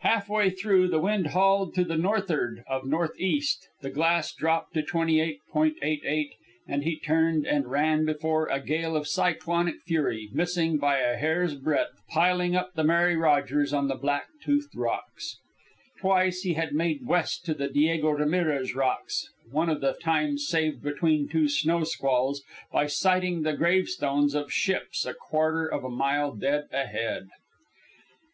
Halfway through, the wind hauled to the north'ard of north west, the glass dropped to 28.88, and he turned and ran before a gale of cyclonic fury, missing, by a hair's breadth, piling up the Mary Rogers on the black toothed rocks. Twice he had made west to the Diego Ramirez Rocks, one of the times saved between two snow squalls by sighting the gravestones of ships a quarter of a mile dead ahead.